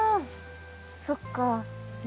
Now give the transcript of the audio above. そっか。